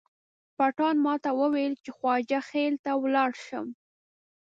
پټان ماته وویل چې خواجه خیل ته ولاړ شم.